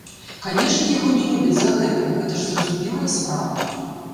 Канешне, яго не любяць за гэта, гэта ж зразумелая справа.